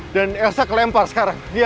dan elsa kelempar sekarang